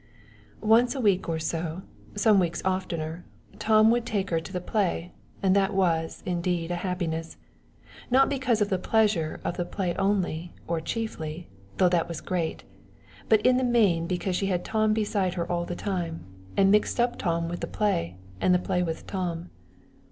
Once a week or so, some weeks oftener, Tom would take her to the play, and that was, indeed, a happiness not because of the pleasure of the play only or chiefly, though that was great, but in the main because she had Tom beside her all the time, and mixed up Tom with the play, and the play with Tom.